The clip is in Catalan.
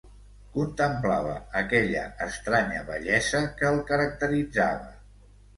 Contemplava aquella estranya bellesa que el caracteritzava.